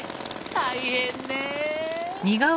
大変ね。